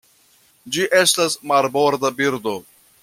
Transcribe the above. Ĝi estas marborda birdo.